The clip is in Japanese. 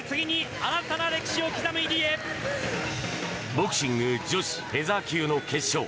ボクシング女子フェザー級の決勝。